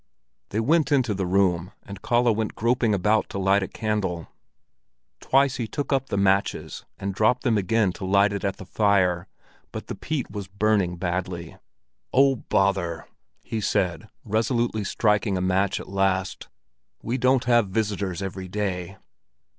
They went into the room, and Kalle went groping about to light a candle. Twice he took up the matches and dropped them again to light it at the fire, but the peat was burning badly. "Oh, bother!" he said, resolutely striking a match at last. "We don't have visitors every day."